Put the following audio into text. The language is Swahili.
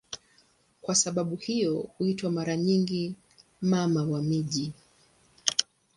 Kwa sababu hiyo huitwa mara nyingi "Mama wa miji".